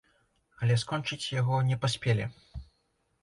Але скончыць яго не паспелі.